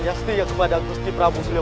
yang setia kepada gusti prabu suliwani